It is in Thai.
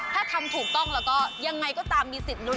ถ้าทำถูกต้องแล้วก็ยังไงก็ตามมีสิทธิลุ้น